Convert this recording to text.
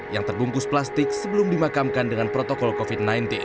yang terbungkus plastik sebelum dimakamkan dengan protokol covid sembilan belas